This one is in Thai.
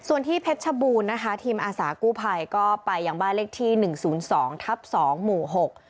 ส่วนที่เพชรชบูรณ์นะคะทีมอาสากู้ภัยก็ไปอย่างบ้านเลขที่๑๐๒ทับ๒หมู่๖